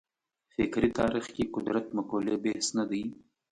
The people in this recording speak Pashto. فکري تاریخ کې قدرت مقولې بحث نه دی.